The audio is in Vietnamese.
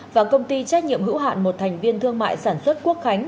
và công ty trách nhiệm hữu hạn một thành viên thương mại sản xuất quốc khánh